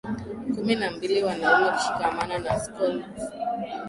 kumi na mbili wanaume kushikamana na schnozzes